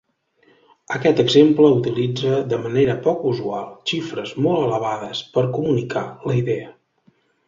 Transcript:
Aquest exemple utilitza, de manera poc usual, xifres molt elevades per comunicar la idea.